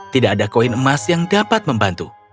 tidak ada koin emas yang dapat membantu